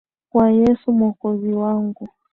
Kwa Yesu, Mwokozi wangu.